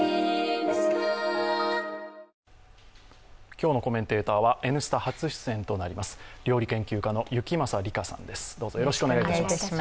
今日のコメンテーターは「Ｎスタ」初出演となります料理研究家の行正り香さんです。